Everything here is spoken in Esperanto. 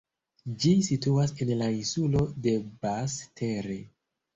Ĝi situas en la insulo de Basse-Terre.